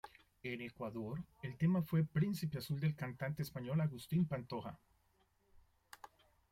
En Ecuador el tema fue "Príncipe azul" del cantante español Agustín Pantoja.